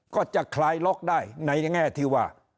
ก็จะคลายล็อกได้ในแง่ที่ว่า